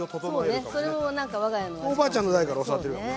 これおばあちゃんの代から教わってるからね。